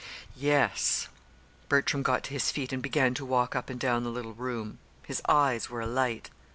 "Yes." Bertram got to his feet and began to walk up and down the little room. His eyes were alight.